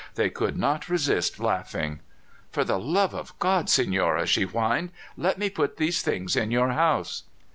They could not resist laughing. "For the love of God, señora," she whined, "let me put these things in your house."